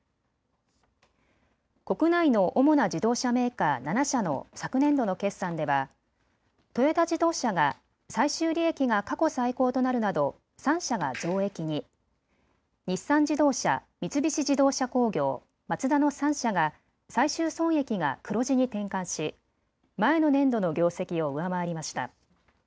国内の主な自動車メーカー７社の昨年度の決算ではトヨタ自動車が最終利益が過去最高となるなど３社が増益に、日産自動車、三菱自動車工業、マツダの３社が最終損益が黒字に転換し前の年度の業績を上回りました。